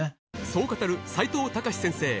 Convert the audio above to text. そう語る齋藤孝先生